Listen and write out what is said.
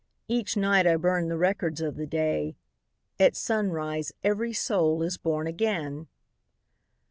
Each night I burn the records of the day, — At sunrise every soul is born again